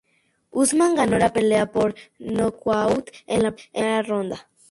Usman ganó la pelea por nocaut en la primera ronda.